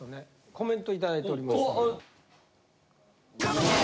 コメント頂いております。